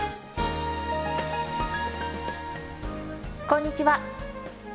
こんにちは。